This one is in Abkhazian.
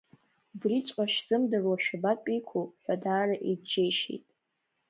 Убриҵәҟьа шәзымдыруа шәабатәиқәоу ҳәа даара иагьџьеишьеит.